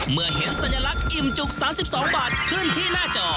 เมื่อเห็นสัญลักษณ์อิ่มจุก๓๒บาทขึ้นที่หน้าจอ